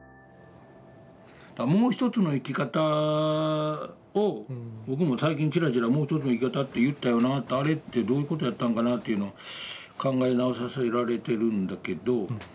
もう一つの生き方を僕も最近チラチラもう一つの生き方って言ったよなとあれってどういうことやったんかなっていうのを考え直させられてるんだけど。